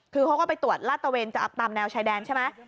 คือเขาก็ไปตรวจลาดตะเวนจะตามแนวชายแดนใช่ไหม